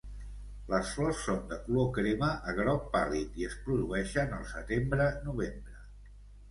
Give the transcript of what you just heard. Les flors són de color crema a groc pàl·lid i es produeixen al setembre-novembre.